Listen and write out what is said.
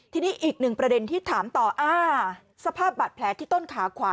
ทีนี้อีกหนึ่งประเด็นที่ถามต่อสภาพบาดแผลที่ต้นขาขวา